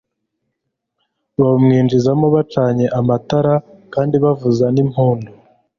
bawumwinjizamo bacanye amatara kandi bavuza n'impundu